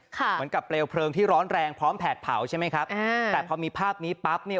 เหมือนกับเปลวเผลิงที่ร้อนแรงพร้อมปแถดเผาใช่ไหมแต่พอมีภาพนี้นี่